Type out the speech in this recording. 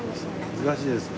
難しいですか。